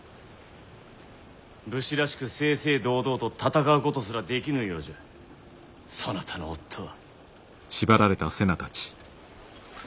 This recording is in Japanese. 武士らしく正々堂々と戦うことすらできぬようじゃそなたの夫は。